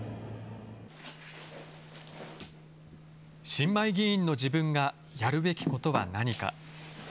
新米議員の自分がやるべきことは何か。